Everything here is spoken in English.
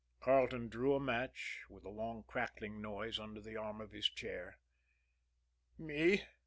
Carleton drew a match, with a long crackling noise, under the arm of his chair. "Me?"